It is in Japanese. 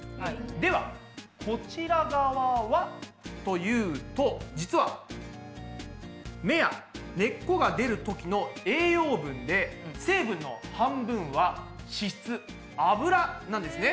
ではこちら側はというと実は芽や根っこが出るときの栄養分で脂なんですね。